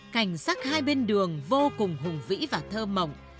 cảnh sắc hai bên đường vô cùng hùng vĩ và thơ mộng